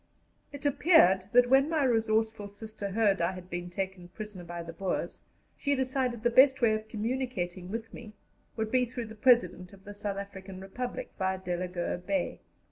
It appeared that, when my resourceful sister heard I had been taken prisoner by the Boers, she decided the best way of communicating with me would be through the President of the South African Republic, via Delagoa Bay.